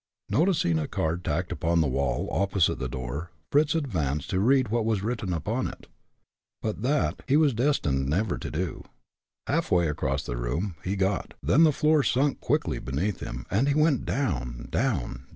Noticing a card tacked upon the wall, opposite the door, Fritz advanced to read what was written upon it. But, that, he was destined never to do. Halfway across the room he got then the floor sunk quickly beneath him, and he went down! down!